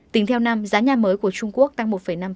tính theo năm giá nhà mới của trung quốc tăng một năm